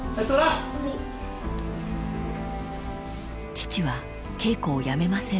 ［父は稽古をやめません］